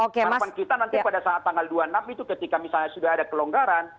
karena kita nanti pada saat tanggal dua puluh enam itu ketika misalnya sudah ada kelonggaran